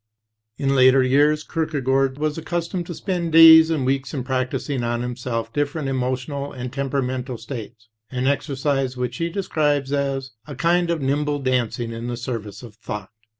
In later years Kierkegaard was accustomed to spend days and weeks in practicing on himself different emotional and temperamental states, an exercise which he describes as "a kind of nimble dancing in the service of thought."